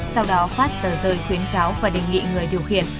sau đó phát tờ rơi khuyến cáo và đề nghị người điều khiển